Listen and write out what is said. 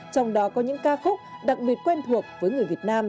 trong đó có những ca khúc đặc biệt quen thuộc với người việt nam